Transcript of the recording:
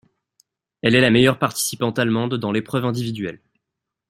Elle est la meilleure participante allemande dans l'épreuve individuelle.